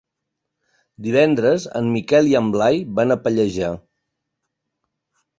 Divendres en Miquel i en Blai van a Pallejà.